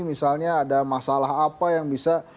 misalnya ada masalah apa yang bisa